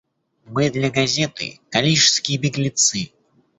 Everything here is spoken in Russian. Мы для газеты — калишские беглецы.